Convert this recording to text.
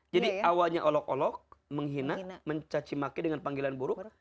jadi awalnya olok olok menghina mencacimaki dengan panggilan buruk